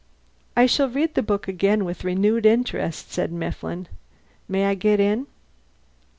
"I shall read the book again with renewed interest," said Mifflin. "May I get in?"